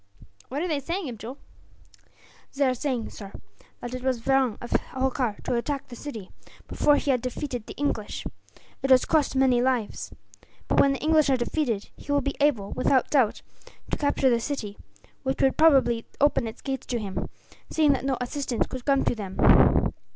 "What are they saying, Abdool?" "They are saying, sir, that it was wrong of Holkar to attack the city, before he had defeated the English. It has cost many lives. But when the English are defeated he will be able, without doubt, to capture the city; which probably would open its gates to him, seeing that no assistance could come to them."